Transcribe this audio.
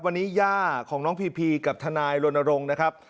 วันนี้ย่าของน้องพีพีกับทนายรณรงค์นะครับ